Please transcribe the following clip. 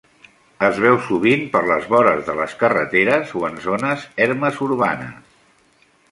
Es veu sovint per les vores de les carreteres o en zones ermes urbanes.